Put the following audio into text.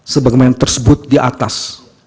sebagai yang tersebut di atas